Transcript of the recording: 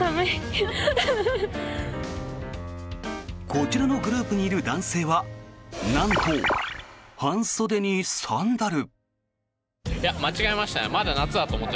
こちらのグループにいる男性はなんと、半袖にサンダル。